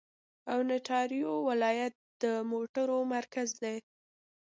اونټاریو ولایت د موټرو مرکز دی.